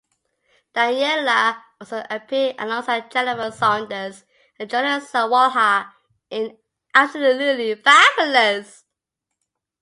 Daniela also appeared alongside Jennifer Saunders and Julia Sawalha in "Absolutely Fabulous".